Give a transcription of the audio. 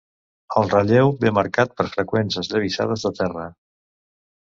El relleu ve marcat per freqüents esllavissades de terra.